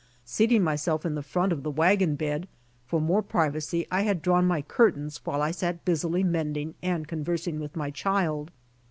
Seat ing myself in the front of the wagon bed, for more privacy I had drawn my curtains while I sat busily mending and conversing with my child.